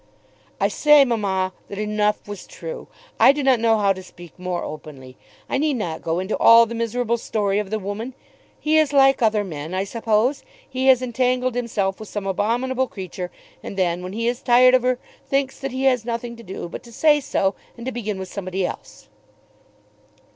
"I say, mamma, that enough was true. I do not know how to speak more openly. I need not go into all the miserable story of the woman. He is like other men, I suppose. He has entangled himself with some abominable creature and then when he is tired of her thinks that he has nothing to do but to say so, and to begin with somebody else."